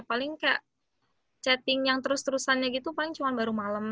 paling kayak chatting yang terus terusannya gitu paling cuma baru malam